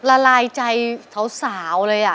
ละลายใจเทาเลยอะ